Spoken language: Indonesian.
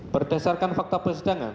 berdasarkan fakta persidangan